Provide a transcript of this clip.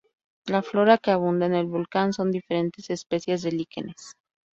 La flora que abunda en el volcán son diferentes especies de líquenes.